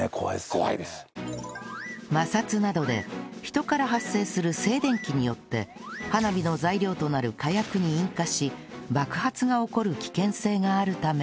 摩擦などで人から発生する静電気によって花火の材料となる火薬に引火し爆発が起こる危険性があるため